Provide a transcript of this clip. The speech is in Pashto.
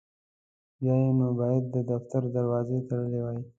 بیا یې نو باید د دفتر دروازې تړلي وای.